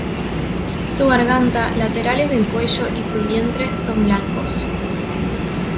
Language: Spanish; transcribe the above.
Su garganta, laterales del cuello y su vientre son blancos.